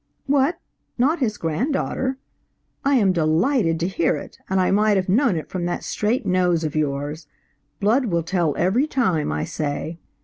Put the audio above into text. What, not his granddaughter? I am delighted to hear it, and I might have known it from that straight nose of yours. Blood will tell every time, I say.